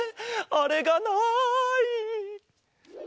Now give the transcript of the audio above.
あれがない。